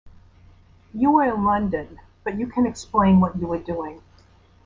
You were in London, but you can explain what you were doing.